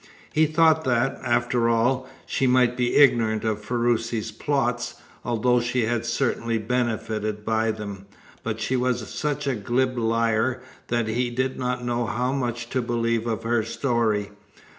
He thought that, after all, she might be ignorant of Ferruci's plots, although she had certainly benefited by them; but she was such a glib liar that he did not know how much to believe of her story.